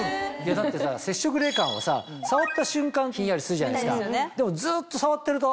だって接触冷感はさ触った瞬間ひんやりするじゃないですか。